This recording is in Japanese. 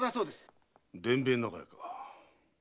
伝兵衛長屋か。